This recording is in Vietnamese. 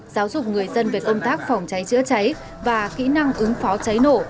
giáo dục người dân về công tác phòng cháy chữa cháy và kỹ năng ứng phó cháy nổ